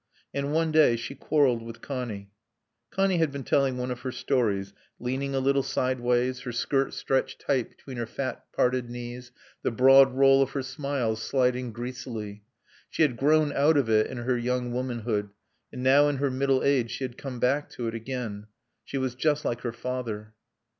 And one day she quarreled with Connie. Connie had been telling one of her stories; leaning a little sideways, her skirt stretched tight between her fat, parted knees, the broad roll of her smile sliding greasily. She had "grown out of it" in her young womanhood, and now in her middle age she had come back to it again. She was just like her father.